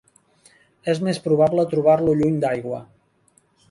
És més probable trobar-lo lluny d'aigua.